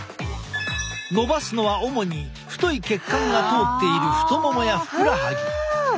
のばすのは主に太い血管が通っている太ももやふくらはぎ。